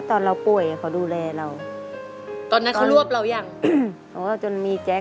จริงจ้ะ